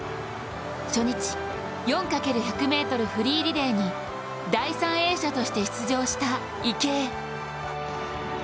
初日、４×１００ｍフリーリレーに第３泳者として出場した池江。